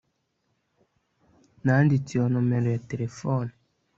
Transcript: Nanditse iyo nimero ya terefone